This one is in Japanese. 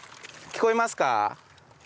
聞こえますか？